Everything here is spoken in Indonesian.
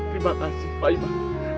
terima kasih pak imam